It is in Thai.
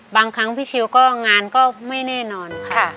บางครั้งพี่ชิวก็งานก็ไม่แน่นอนค่ะ